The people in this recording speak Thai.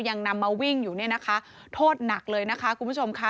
ยังนำมาวิ่งอยู่เนี่ยนะคะโทษหนักเลยนะคะคุณผู้ชมค่ะ